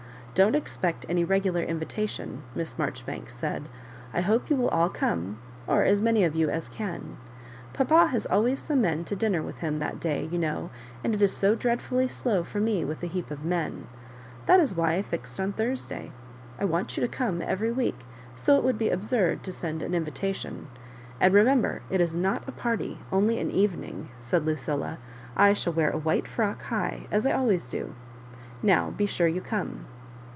"Don't expect any regular invitation," Miss Marjoribanks said. " I hope you will all come, or as many of you as can. P^pa has always some men to dinner with him that day, you know, and it is so dreadfully slow for me with a heap of men. That is why I fixed on Thurs day, I want you to come every week, so it would be absurd to send an invitation ; and re member it is not a party, only an Evening," said Lucilla. " I shall wear a white frock high, as I always do. Now be sure you come."